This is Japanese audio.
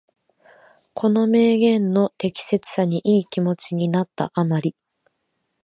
この名言の適切さにいい気持ちになった余り、